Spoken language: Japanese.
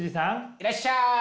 いらっしゃい。